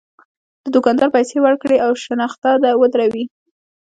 د دوکاندار پیسې ورکړي او شنخته ودروي.